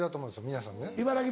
皆さんにね。